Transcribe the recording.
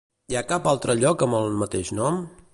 Hi ha cap altre lloc amb el mateix nom?